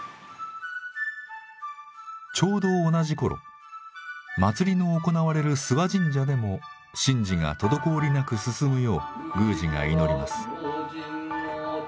ちょうど同じ頃祭りの行われる諏訪神社でも神事が滞りなく進むよう宮司が祈ります。